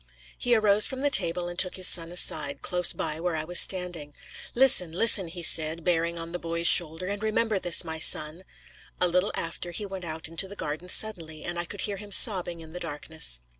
He arose from the table and took his son aside, close by where I was standing. 'Listen, listen,' he said, bearing on the boy's shoulder, 'and remember this, my son.' A little after he went out into the garden suddenly, and I could hear him sobbing in the darkness.